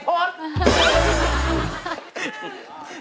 เพลงเร็วใช่ป่ะ